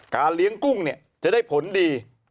เลี้ยงกุ้งเนี่ยจะได้ผลดี